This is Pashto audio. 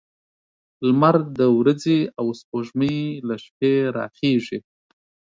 لمر د ورځې او سپوږمۍ له شپې راخيژي